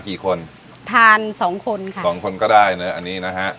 กี่คนทานสองคนค่ะสองคนก็ได้นะอันนี้นะฮะ